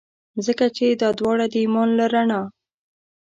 ځکه چي دا داوړه د ایمان له رڼا.